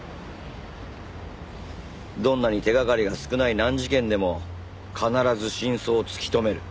どんなに手がかりが少ない難事件でも必ず真相を突き止める。